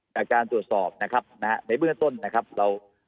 ในวิทยาช่วงการสอบในพื้นที่ตอน